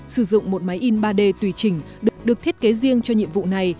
sử dụng một máy in ba d tùy chỉnh được thiết kế riêng cho nhiệm vụ này